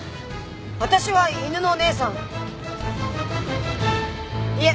私は犬のお姉さんいえ！